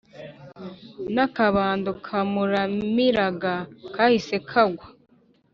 n’akabando kamuramiraga kahise kagwa